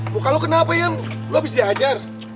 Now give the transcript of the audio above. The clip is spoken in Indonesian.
buka lu kenapa yan lu abis diajar